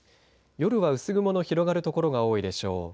夜は薄雲の広がる所が多いでしょう。